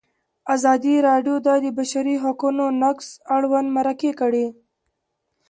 ازادي راډیو د د بشري حقونو نقض اړوند مرکې کړي.